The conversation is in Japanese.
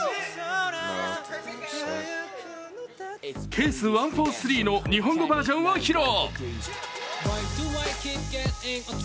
「ＣＡＳＥ１４３」の日本語バージョンを披露。